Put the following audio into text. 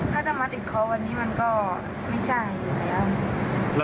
ถ้าจะมาติดเขาวันนี้มันก็ไม่ใช่อยู่แล้ว